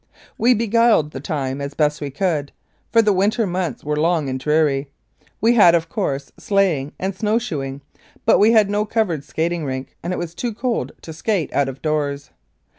We beguiled the time as best we could, for the winter months were long and dreary. We had, of course, sleighing and snow shoeing, but we had no covered skating rink, and it was too cold to skate out of doors.